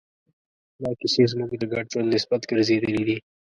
دا کیسې زموږ د ګډ ژوند بنسټ ګرځېدلې دي.